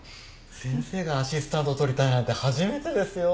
先生がアシスタント取りたいなんて初めてですよ。